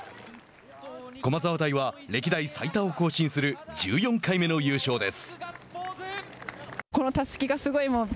駒沢大は歴代最多を更新する１４回目の優勝です。